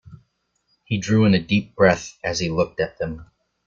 He drew in a deep breath as he looked at them.